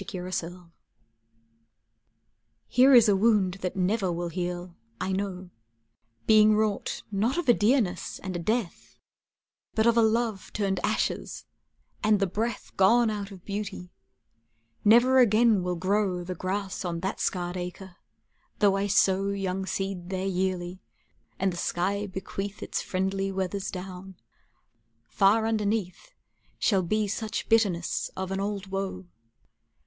[Pg 196] IV Here is a wound that never will heal, I know, Being wrought not of a dearness and a death But of a love turned ashes and the breath Gone out of beauty; never again will grow The grass on that scarred acre, though I sow Young seed there yearly and the sky bequeath Its friendly weathers down, far underneath Shall be such bitterness of an old woe.